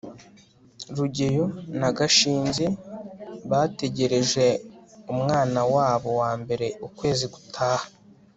rugeyo na gashinzi bategereje umwana wabo wambere ukwezi gutaha